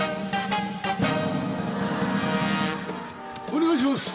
お願いします。